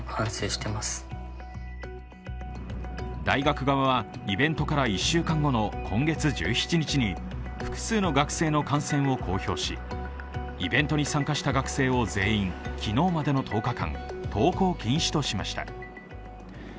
大学側はイベントから１週間後の今月１７日に複数の学生の感染を公表し、イベントに参加した学生を全員、昨日までの１０日間、登校禁止としました。